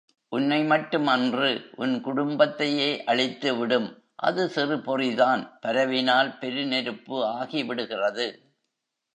உன்னைமட்டும் அன்று உன் குடும்பத்தையே அழித்துவிடும் அது சிறு பொறிதான் பரவினால் பெரு நெருப்பு ஆகிவிடுகிறது.